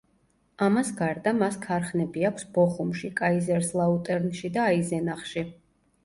ამას გარდა მას ქარხნები აქვს ბოხუმში, კაიზერსლაუტერნში და აიზენახში.